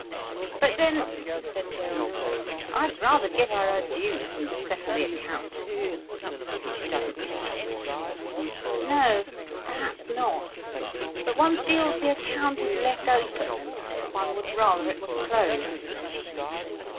"But then," said Gerald, "I'd rather give her her dues and settle the account." "She doesn't care." "No, perhaps not. But one feels the account is left open, and one would rather it were closed."